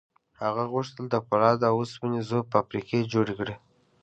هغه غوښتل د پولادو او اوسپنې ذوب فابریکې جوړې کړي